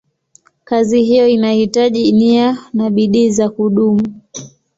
Kazi hiyo inahitaji nia na bidii za kudumu.